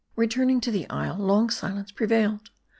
Returning to the isle, long silence prevailed.